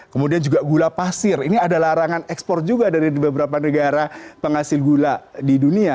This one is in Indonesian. kemudian juga gula pasir ini ada larangan ekspor juga dari beberapa negara penghasil gula di dunia